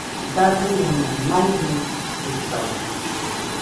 Dabemona maɨjitɨkaɨ